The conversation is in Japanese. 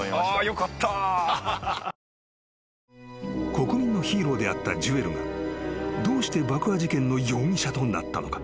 ［国民のヒーローであったジュエルがどうして爆破事件の容疑者となったのか？］